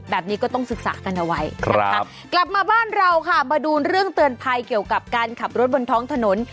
แบบนี้ก็ต้องศึกษากันเอาไว้นะคะกลับมาบ้านเราค่ะมาดูเรื่องเตือนภัยเกี่ยวกับการขับรถบนท้องถนน